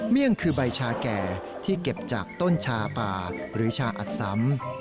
เลี่ยงคือใบชาแก่ที่เก็บจากต้นชาป่าหรือชาอัดซ้ำ